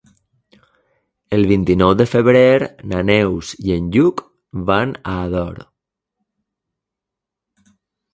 El vint-i-nou de febrer na Neus i en Lluc van a Ador.